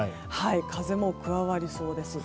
風も加わりそうです。